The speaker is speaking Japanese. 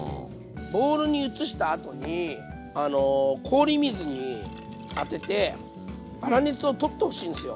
ボウルに移したあとに氷水に当てて粗熱を取ってほしいんですよ。